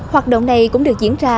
hoạt động này cũng được diễn ra